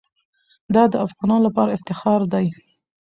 دا د افغانانو لپاره افتخار دی.